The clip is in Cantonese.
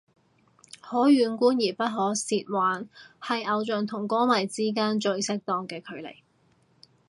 可遠觀而不可褻玩係偶像同歌迷之間最適當嘅距離